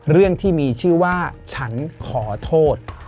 เรื่องที่มีชื่อว่าฉันขอโทษ